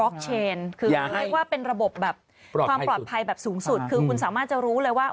คืออย่าให้ว่าเป็นระบบแบบปลอดภัยแบบสูงสุดคือคุณสามารถจะรู้เลยว่า